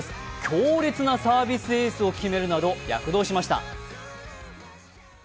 強烈なサービスエースを決めるなど躍動しました。